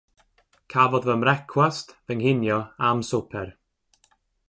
Cafodd fy mrecwast, fy nghinio a'm swper.